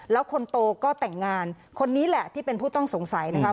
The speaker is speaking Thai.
แล้วคนโตก็แต่งงานคนนี้แหละที่เป็นผู้ต้องสงสัยนะครับ